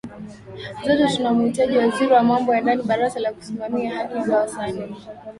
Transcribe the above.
zote tunamuhitaji waziri wa mambo ya ndani baraza la kusimamia haki za wasanii